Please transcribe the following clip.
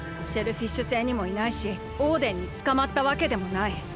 シェルフィッシュ星にもいないしオーデンにつかまったわけでもない。